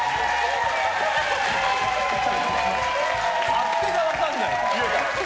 勝手が分かんない。